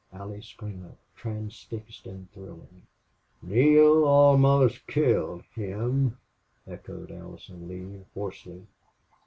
Allie sprang up, transfixed and thrilling. "Neale almost killed him!" echoed Allison Lee, hoarsely.